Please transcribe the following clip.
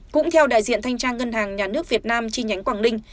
cũng theo đại diện thanh tra ngân hàng nhà nước việt nam chi nhánh quảng ninh